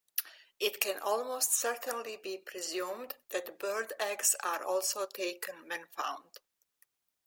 It can almost certainly be presumed that bird eggs are also taken when found.